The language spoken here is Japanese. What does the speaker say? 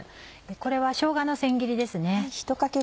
これはしょうがの千切りですね。